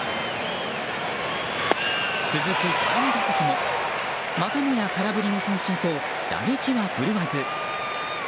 続く第２打席もまたもや空振りの三振と打撃は振るわず。